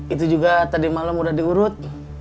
itu juga tadi malam udah diurut